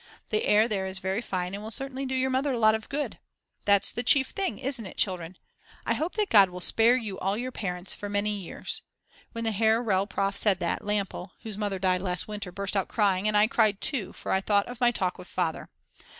The air there is very fine and will certainly do your Mother a lot of good. That's the chief thing, isn't it children? I hope that God will spare all your parents for many years. When the Herr Rel. Prof. said that, Lampel, whose Mother died last winter, burst out crying, and I cried too, for I thought of my talk with Father.